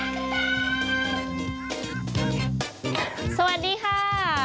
สวัสดีค่ะ